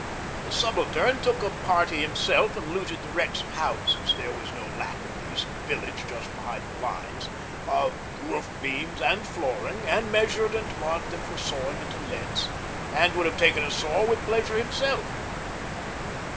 The Subaltern took a party himself and looted the wrecks of houses there was no lack of these in the village just behind the lines of roof beams and flooring, and measured and marked them for sawing into lengths, and would have taken a saw with pleasure himself.